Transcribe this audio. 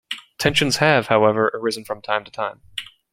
Tensions have, however, arisen from time to time.